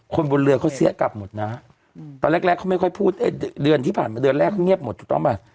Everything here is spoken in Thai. คนบนเรือเขาเสียกลับหมดนะตอนแรกเขาไม่ค่อยพูดเดือนที่ผ่านมาเดือนแรกเขาเงียบหมดถูกต้องป่ะ